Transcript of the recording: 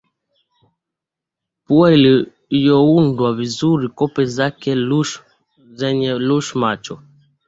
pua iliyoundwa vizuri kope zenye lush macho